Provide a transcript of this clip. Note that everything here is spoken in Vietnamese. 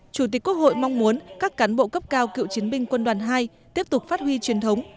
chủ tịch quốc hội mong muốn các cán bộ cấp cao cựu chiến binh quân đoàn hai tiếp tục phát huy truyền thống